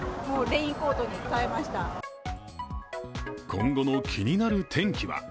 今後の気になる天気は？